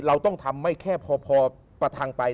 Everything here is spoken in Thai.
เราต้องทำไม่แค่พอประทังไป